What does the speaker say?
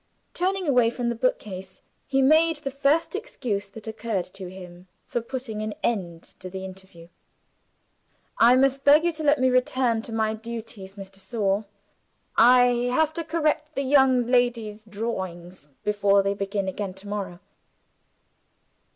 Turning away from the book case, he made the first excuse that occurred to him for putting an end to the interview. "I must beg you to let me return to my duties, Miss de Sor. I have to correct the young ladies' drawings, before they begin again to morrow."